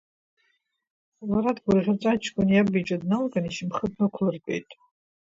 Лара дгәырӷьаҵәа аҷкәын иаб иҿы дналган, ишьамхы днықәлыртәеит.